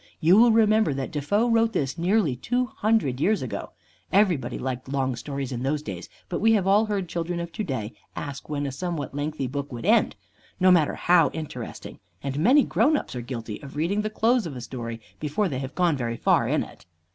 You will remember that Defoe wrote this nearly two hundred years ago. Everybody liked long stories in those days, but we have all heard children of to day ask when a somewhat lengthy book would end, no matter how interesting, and many grown ups are guilty of reading the close of a story before they have gone very far in it.